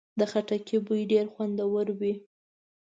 د خټکي بوی ډېر خوندور وي.